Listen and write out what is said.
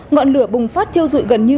ngọn lửa bùng phát thiêu dụi gần như